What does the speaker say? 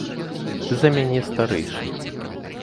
Ты за мяне старэйшы.